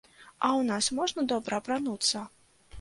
А ў нас можна добра апрануцца?